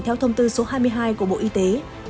theo thông tư số hai mươi hai của bộ y tế